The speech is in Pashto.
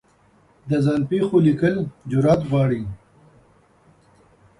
د ځان پېښو لیکل جرعت غواړي.